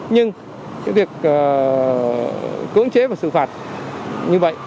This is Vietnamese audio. nhưng việc cưỡng chế và sự phạt như vậy